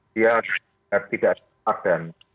dia tidak ada kehadiran